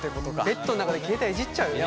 ベッドの中で携帯いじっちゃうよね。